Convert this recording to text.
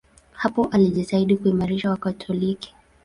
Hapo alijitahidi kuimarisha Wakatoliki.